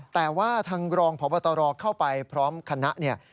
แต่ว่าทางรองผอบตรเข้าไปพร้อมคณะ